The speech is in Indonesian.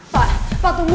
pak pak tunggu